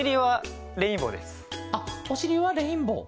あっおしりはレインボー。